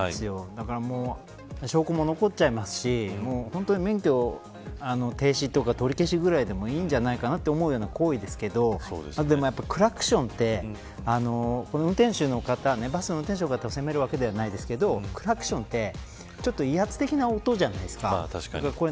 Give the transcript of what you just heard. だから証拠も残っちゃいますし本当に免許停止とか取り消しぐらいでもいいんじゃないかなと思うような行為ですけどでもクラクションって運転手の方バスの運転手の方を責めるわけではないですけどクラクショってちょっと威圧的な音じゃないですか。